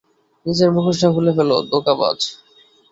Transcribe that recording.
নিজের মুখোশটা খুলে ফেল, ধোঁকাবাজ!